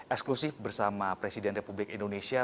eksklusif bersama presiden republik indonesia